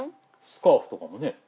スカーフとかもね。